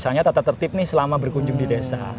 misalnya tata tertib nih selama berkunjung di desa